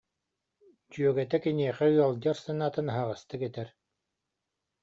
дьүөгэтэ киниэхэ «ыалдьар» санаатын аһаҕастык этэр